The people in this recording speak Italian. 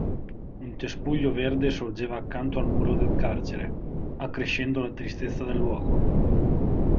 Un cespuglio verde sorgeva accanto al muro del carcere, accrescendo la tristezza del luogo.